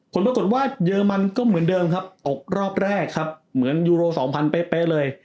ผลปรากฏว่าเยอรมันก็เหมือนเดิมครับตกรอบแรกครับเหมือนยูโร๒๐๐เป๊ะเลย